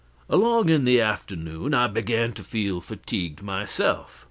Along in the afternoon I began to feel fatigued myself.